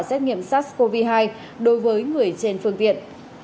xét nghiệm sars cov hai đối với người trên phương tiện